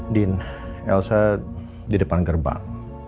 din elsa di depan gerbang